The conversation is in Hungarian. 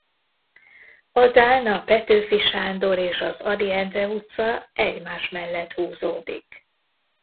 Adán a Petőfi Sándor és az Ady Endre utca egymás mellett húzódik.